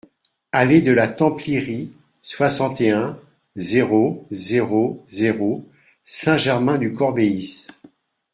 Allée de la Templierie, soixante et un, zéro zéro zéro Saint-Germain-du-Corbéis